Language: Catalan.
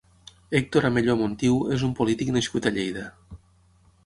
Héctor Amelló Montiu és un polític nascut a Lleida.